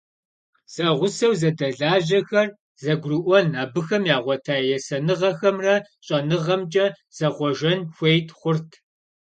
Зэгъусэу зэдэлажьэхэр зэгурыӀуэн, абыхэм ягъуэта есэныгъэхэмрэ щӀэныгъэмкӀэ зэхъуэжэн хуей хъурт.